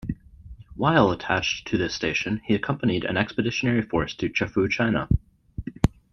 While attached to this station, he accompanied an expeditionary force to Chefoo, China.